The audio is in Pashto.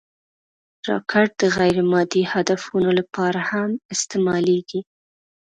راکټ د غیر مادي هدفونو لپاره هم استعمالېږي